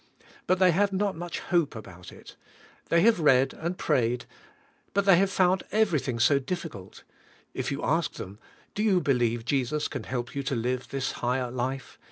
But they have not much hope about it. They have read, and prayed, but they have found everything so difficult. If you ask them, "Do you believe Jesus can help 3'ou to live this higher life?"